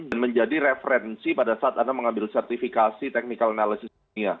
dan menjadi referensi pada saat anda mengambil sertifikasi technical analysis